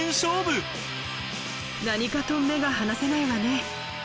何かと目が離せないわね。